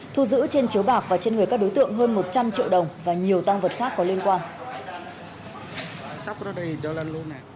thu giữ trên chiếu bạc và trên người các đối tượng hơn một trăm linh triệu đồng và nhiều tăng vật khác có liên quan